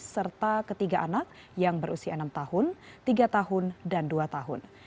serta ketiga anak yang berusia enam tahun tiga tahun dan dua tahun